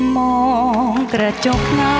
โปรดติดตามตอนต่อไป